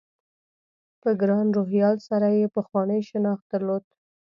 له ګران روهیال سره یې پخوانی شناخت درلود.